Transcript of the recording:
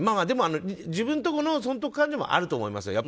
でも自分とこの損得勘定もあると思います。